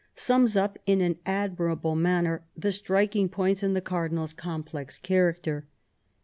sums up in an admirable manner the striking points in the cardinal's complex character.